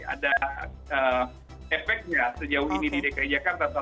ada efeknya sejauh ini di dki jakarta